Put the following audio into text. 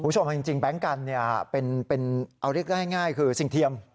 จริงแบงค์กันเอาเรียกได้ง่ายคือสิ่งเทียม